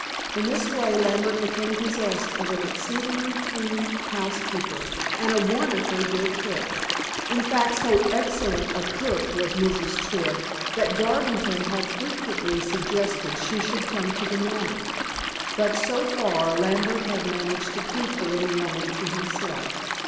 In this way Lambert became possessed of an exceedingly clean housekeeper, and a wonderfully good cook. In fact so excellent a cook was Mrs. Tribb, that Garvington had frequently suggested she should come to The Manor. But, so far, Lambert had managed to keep the little woman to himself.